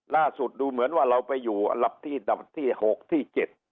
ล่าสุดดูเหมือนว่าเราไปอยู่อันดับที่๖ที่๗